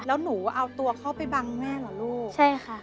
แล้วหนูเอาตัวเข้าไปบังแม่เหรอลูกใช่ค่ะ